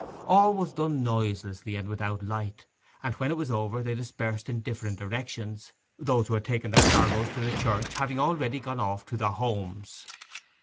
All was done noiselessly, and without a light; and when it was over they dispersed in different directions, those who had taken their cargoes to the church having already gone off to their homes.